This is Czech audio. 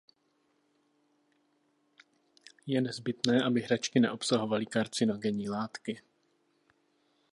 Je nezbytné, aby hračky neobsahovaly karcinogenní látky.